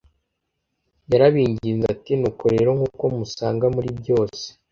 Yarabinginze ati: “Nuko rero, nk’uko musaga muri byose,